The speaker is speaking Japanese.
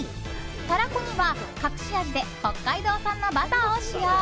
タラコには隠し味で北海道産のバターを使用。